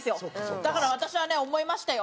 だから私はね思いましたよ。